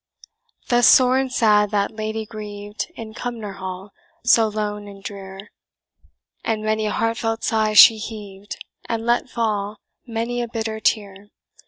Thus sore and sad that lady grieved, In Cumnor Hall, so lone and drear; And many a heartfelt sigh she heaved, And let fall many a bitter tear.